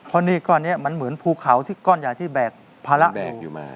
เพราะหนี้ก้อนนี้มันเหมือนภูเขาที่ก้อนใหญ่ที่แบกภาระแบกอยู่มา